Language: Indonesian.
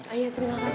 ayah terima kasih